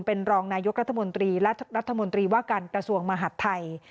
เป็นรองนายกรัฐมนตรีและรัฐมนตรีว่าการกระทรวงมหาดไทย